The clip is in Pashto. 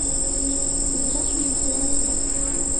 په زړه کې مې تېره کړه.